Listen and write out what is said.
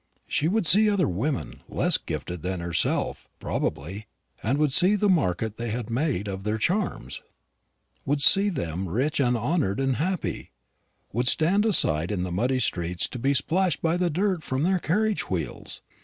She would see other women less gifted than herself, probably and would see the market they had made of their charms; would see them rich and honoured and happy, and would stand aside in the muddy streets to be splashed by the dirt from their carriage wheels.